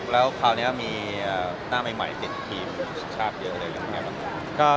แล้วคราวนี้มีหน้าใหม่เต็มทีมชาติเยอะเลยหรือเปล่า